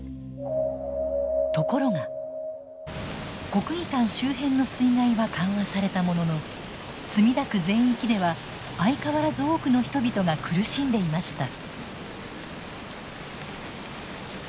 国技館周辺の水害は緩和されたものの墨田区全域では相変わらず多くの人々が苦しんでいました。